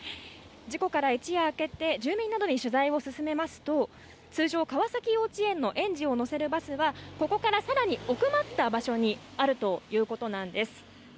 事故から一夜明けて住民などに取材を続けますと通常、川崎幼稚園の園児を乗せるバスはここから更に奥まった場所にあるということなんです。